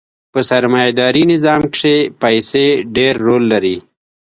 په سرمایه داري نظام کښې پیسې ډېر رول لري.